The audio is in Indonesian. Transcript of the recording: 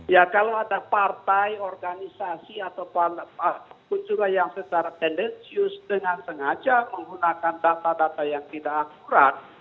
ya kalau ada partai organisasi atau pun juga yang secara tendensius dengan sengaja menggunakan data data yang tidak akurat